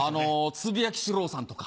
つぶやきシローさんとか。